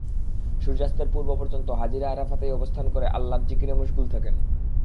সূর্যাস্তের পূর্ব পর্যন্ত হাজিরা আরাফাতেই অবস্থান করে আল্লাহর জিকিরে মশগুল থাকেন।